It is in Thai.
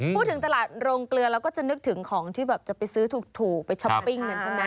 พูดถึงตลาดโรงเกลือเราก็จะนึกถึงของที่แบบจะไปซื้อถูกไปช้อปปิ้งกันใช่ไหม